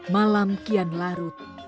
malam kian larut